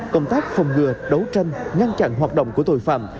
công tác phòng ngừa đấu tranh ngăn chặn hoạt động của tội phạm